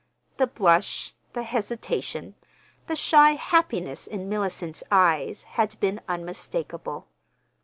The blush, the hesitation, the shy happiness in Mellicent's eyes had been unmistakable.